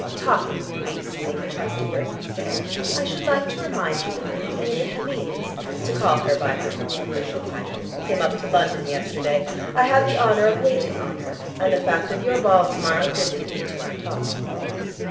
"Talking of Greece, Lady Chesterford," he said, "I should like to remind you that the Queen of the Hellenes, to call her by her more official title, came up to London yesterday. I had the honour of waiting on her, and the fact of your ball to morrow drifted into our talk."